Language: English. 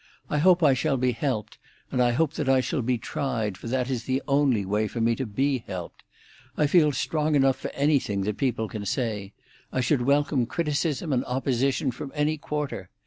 I hope I shall be helped, and I hope that I shall be tried, for that is the only way for me to be helped. I feel strong enough for anything that people can say. I should welcome criticism and opposition from any quarter.